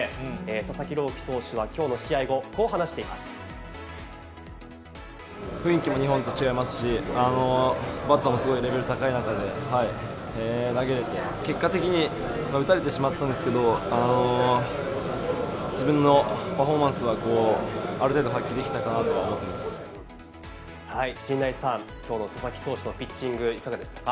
佐々木朗希投手はきょうの試合後、雰囲気も日本と違いますし、バッターもすごいレベル高い中で、投げれて、結果的に打たれてしまったんですけど、自分のパフォーマンスは、ある程度発揮できたかなとは思っていま陣内さん、きょうの佐々木投手のピッチング、いかがでしたか。